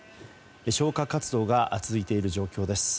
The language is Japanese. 消火活動が続いている状況です。